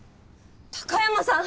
貴山さん